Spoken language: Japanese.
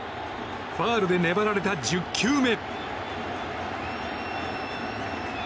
ファウルで粘られた１０球目。